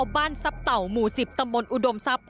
บ้านซับเต่าหมู่๑๐ตอุดมทรัพย์